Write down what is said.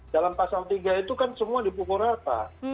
dalam pasal tiga itu kan semua dipukul rata